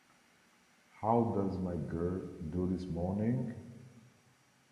How does my girl do this morning?